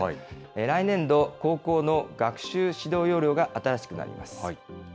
来年度、高校の学習指導要領が新しくなります。